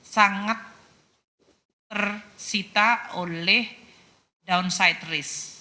sangat tersita oleh downside risk